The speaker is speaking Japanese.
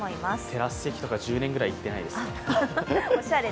テラス席とか１０年ぐらい行ってないです。